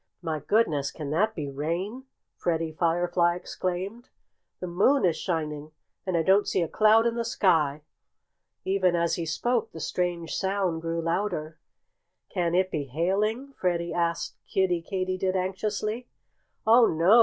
"My goodness! Can that be rain?" Freddie Firefly exclaimed. "The moon is shining. And I don't see a cloud in the sky." Even as he spoke the strange sound grew louder. "Can it be hailing?" Freddie asked Kiddie Katydid anxiously. "Oh, no!"